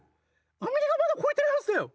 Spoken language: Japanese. アメリカまだ超えてるはずだよ。